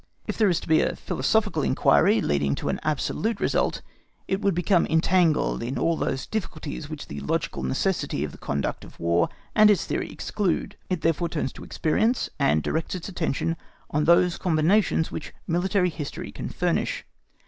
If there is to be a philosophical inquiry leading to an absolute result, it would become entangled in all those difficulties which the logical necessity of the conduct of War and its theory exclude. It therefore turns to experience, and directs its attention on those combinations which military history can furnish.